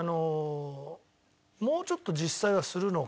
もうちょっと実際はするのかなと。